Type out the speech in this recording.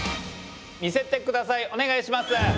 見せてくださいお願いします。